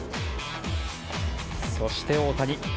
そして大谷。